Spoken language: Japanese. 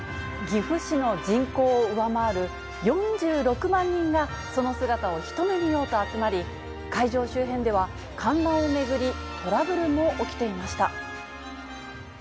岐阜市の人口を上回る４６万人がその姿を一目見ようと集まり、会場周辺では、観覧を巡り、トラブルも起きていました。